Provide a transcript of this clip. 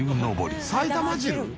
埼玉汁？